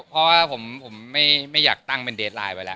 เพราะว่าผมไม่อยากตั้งเป็นเดสไลน์ไว้แล้ว